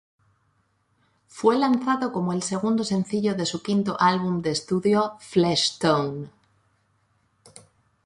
Fue lanzado como el segundo sencillo de su quinto álbum de estudio "Flesh Tone".